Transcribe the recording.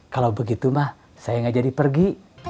kalau begitu mah saya ngajak dipergi